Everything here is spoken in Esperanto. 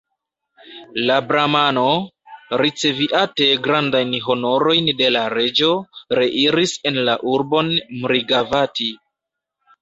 La bramano, riceviate grandajn honorojn de la reĝo, reiris en la urbon Mrigavati.